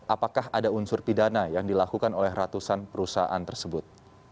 apakah ada unsur pidana yang dilakukan oleh ratusan perusahaan tersebut